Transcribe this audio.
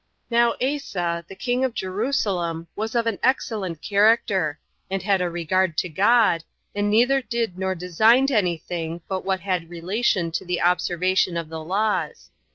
1. Now Asa, the king of Jerusalem, was of an excellent character, and had a regard to God, and neither did nor designed any thing but what had relation to the observation of the laws.